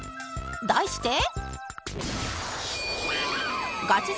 題して